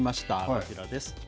こちらです。